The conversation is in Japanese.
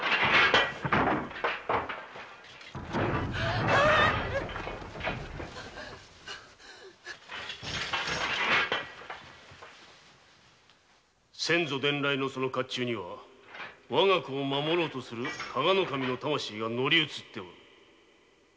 あッ先祖伝来のその甲冑にはわが子を守ろうとする加賀守の魂が乗り移っておる。